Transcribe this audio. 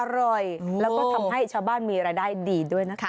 อร่อยแล้วก็ทำให้ชาวบ้านมีรายได้ดีด้วยนะคะ